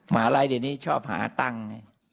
มาอะไรเดี๋ยวนี้ชอบหาตั้ง